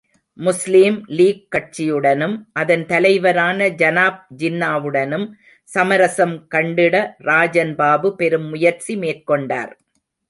முஸ்லீம் லீக் கட்சியுடனும், அதன் தலைவரான ஜனாப் ஜின்னாவுடனும் சமரசம் கண்டிட ராஜன் பாபு பெரும் முயற்சி மேற்கொண்டார்.